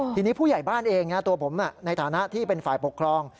ทีนี้ผู้ใหญ่บ้านเองตัวผมในฐานะที่เป็นฝ่ายปกครอง